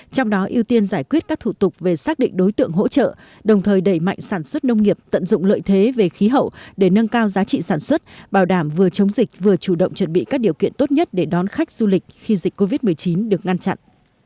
trong đó ưu tiên giải quyết các thủ tục về xác định đối tượng hỗ trợ đồng thời đẩy mạnh sản xuất nông nghiệp tận dụng lợi thế về khí hậu để nâng cao giá trị sản xuất bảo đảm vừa chống dịch vừa chủ động chuẩn bị các điều kiện tốt nhất để đón khách du lịch khi dịch covid một mươi chín được ngăn chặn